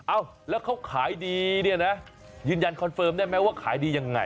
เอ้าแล้วเขาขายดีเนี่ยนะยืนยันคอนเฟิร์มได้ไหมว่าขายดียังไง